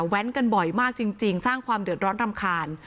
แว้นกันบ่อยมากจริงสร้างความเดือดร้อนรำคาญ